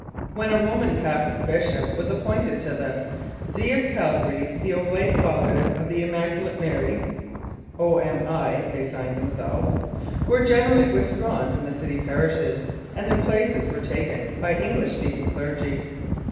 When a Roman Catholic bishop was appointed to the See of Calgary the Oblate Fathers of the Immaculate Mary ("O.M.I." they signed themselves) were generally withdrawn from the city parishes and their places were taken by English speaking clergy.